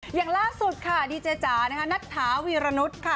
อย่างล่าสุดค่ะดีเจจ๋านะคะนัทถาวีรนุษย์ค่ะ